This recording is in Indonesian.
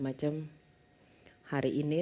macam hari ini